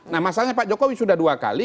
nah masalahnya pak jokowi sudah dua kali